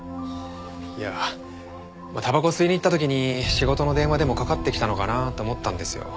いやたばこを吸いに行った時に仕事の電話でもかかってきたのかなと思ったんですよ。